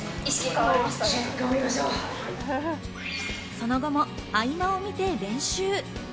その後も合間をみて練習。